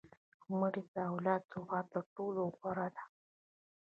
مړه ته د اولاد دعا تر ټولو غوره ده